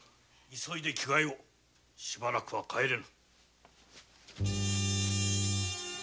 ・急いで着替えをしばらくは帰れぬ。